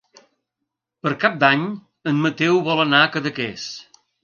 Per Cap d'Any en Mateu vol anar a Cadaqués.